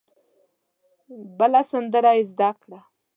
بله سندره یې زده کړه.